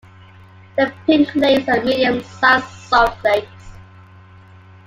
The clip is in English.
The Pink Lakes are medium-sized salt lakes.